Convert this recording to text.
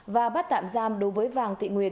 và bắt tạm giam đối với vàng thị nguyệt